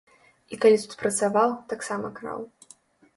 І калі тут працаваў, таксама краў.